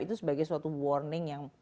itu sebagai suatu warning yang